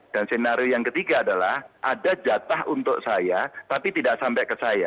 dan sinario yang ketiga adalah ada jatah untuk saya tapi tidak sampai ke saya